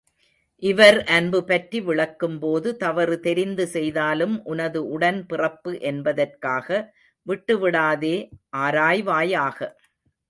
இவர் அன்பு பற்றி விளக்கும் போது, தவறு தெரிந்து செய்தாலும், உனது உடன் பிறப்பு என்பதற்காக விட்டுவிடாதே, ஆராய்வாயாக!